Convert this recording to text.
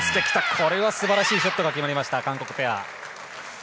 これは素晴らしいショットが決まりました韓国ペア。